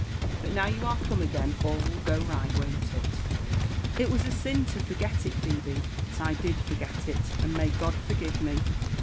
But now you are come again, all will go ri^t, won't it r " It was a sin to forget it, Phebe ; but I did forget it, and may God forgire me